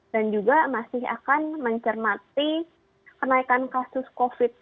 dan juga masih akan mencermati kenaikan kasus covid sembilan belas